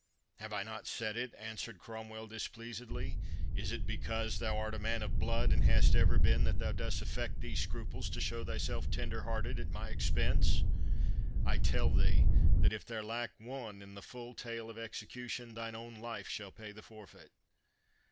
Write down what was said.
"Have I not said it?" answered Cromwell, displeasedly. "Is it because thou art a man of blood, and hast ever been, that thou dost affect these scruples to show thyself tenderhearted at my expense? I tell thee, that if there lack one in the full tale of execution, thine own life shall pay the forfeit."